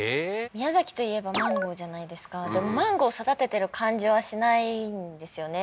宮崎といえばマンゴーじゃないですかでもマンゴー育ててる感じはしないんですよね